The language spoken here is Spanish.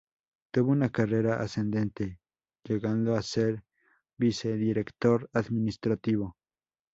Tuvo una carrera ascendente, llegando a ser Vicedirector administrativo.